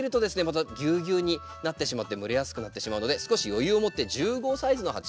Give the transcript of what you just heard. またぎゅうぎゅうになってしまって蒸れやすくなってしまうので少し余裕をもって１０号サイズの鉢